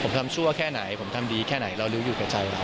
ผมทำชั่วแค่ไหนผมทำดีแค่ไหนเรารู้อยู่กับใจ